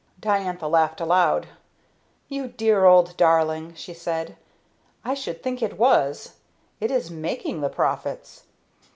Diantha laughed aloud. "You dear old darling," she said, "I should think it was! It is making the profits."